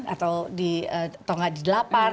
atau di atau nggak di delapan